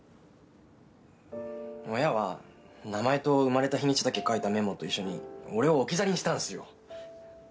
親は名前と生まれた日にちだけ書いたメモと一緒に俺を置き去りにしたんすよ。